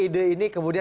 jika ide ini kemudian